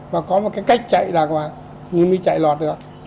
và có một cái cách chạy đàng hoàng như mới chạy lọt được